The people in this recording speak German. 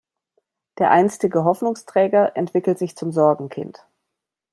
Der einstige Hoffnungsträger entwickelt sich zum Sorgenkind.